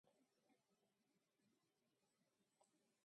Els d'Ontinyent, fills de frares.